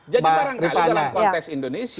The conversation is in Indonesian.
jadi barangkali dalam konteks indonesia